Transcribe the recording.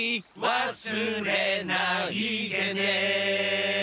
「忘れないでね」